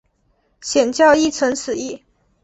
显教亦存此义。